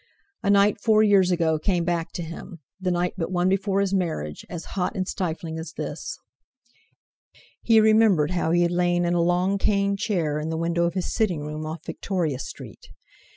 A night four years ago came back to him—the night but one before his marriage; as hot and stifling as this. He remembered how he had lain in a long cane chair in the window of his sitting room off Victoria Street.